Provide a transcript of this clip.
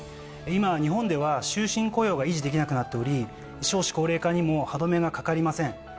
今日本では終身雇用が維持できなくなっており少子高齢化にも歯止めがかかりません。